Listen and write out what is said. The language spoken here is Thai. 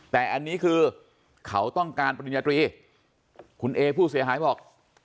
แต่อันนี้คือเขาต้องการปริญญาตรีคุณเอผู้เสียหายบอก